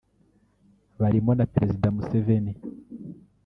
barimo na Perezida Museveni